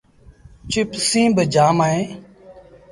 چپسيٚݩ با جآم اهيݩ ۔